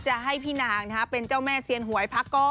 จะให้พี่นางนะคะเป็นเจ้าแม่เสียนหวยพาต